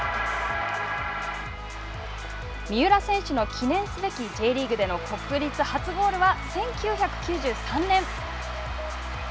三浦選手の記念すべきＪリーグでの国立初ゴールは１９９３年。